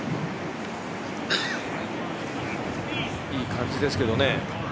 いい感じですけどね